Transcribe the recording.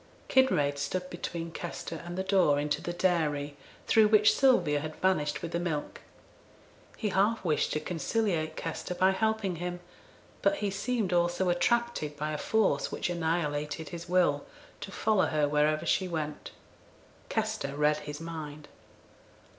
Kinraid stood between Kester and the door into the dairy, through which Sylvia had vanished with the milk. He half wished to conciliate Kester by helping him, but he seemed also attracted, by a force which annihilated his will, to follow her wherever she went. Kester read his mind.